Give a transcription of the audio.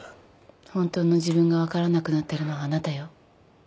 本当の自分が分からなくなってるのはあなたよ。